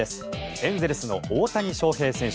エンゼルスの大谷翔平選手。